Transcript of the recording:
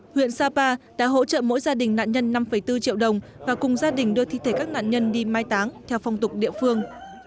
huyện sapa đã hỗ trợ mỗi gia đình nạn nhân năm bốn triệu đồng và cùng gia đình đưa thi thể các nạn nhân đi mai táng theo phong tục địa phương